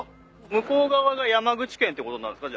向こう側が山口県ってことになるんすか？